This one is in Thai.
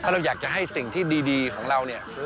เราอยากจะให้สิ่งที่ดีของเราเนี่ย